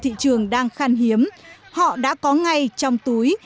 thị trường đang khan hiếm họ đã có ngay trong túi